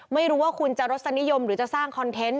ว่าเขาจะสรริยมหรือจะสร้างคอนเทนต์